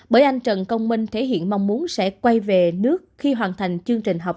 bởi anh trần công minh thể hiện mong muốn sẽ quay về nước khi hoàn thành chương trình học